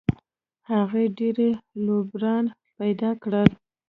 هغې ډېر رویباران پیدا کړل